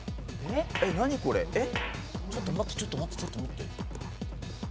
ちょっと待ってちょっと待ってちょっと待って。